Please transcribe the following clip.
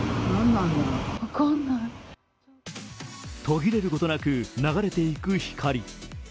途切れることなく流れていく光。